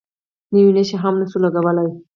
نوې نښه هم نه شو لګولی.